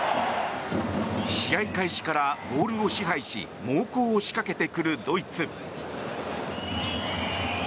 試合開始からボールを支配し猛攻を仕掛けてくるドイツ。